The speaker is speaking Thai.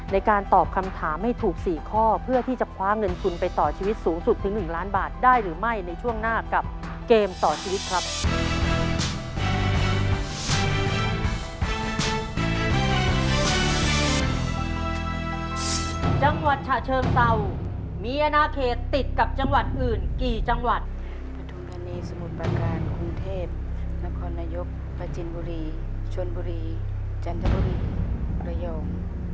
ในการตอบคำถามให้ถูก๔ข้อเพื่อที่จะคว้าเงินทุนไปต่อชีวิตสูงสุดถึง๑ล้านบาทได้หรือไม่ในช่วงหน้ากับเกมต่อชีวิตครับ